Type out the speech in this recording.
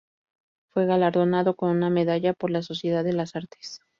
Fue galardonado con una medalla por la Sociedad de las Artes.